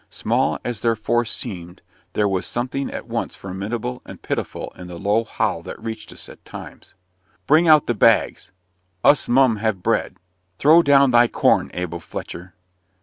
Small as their force seemed, there was something at once formidable and pitiful in the low howl that reached us at times. "Bring out the bags! Us mun have bread!" "Throw down thy corn, Abel Fletcher!"